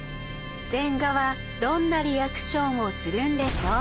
千賀はどんなリアクションをするんでしょう？